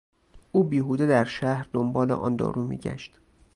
او بیهوده در شهر دنبال آن دارو میگشت.